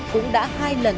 cũng đã hai lần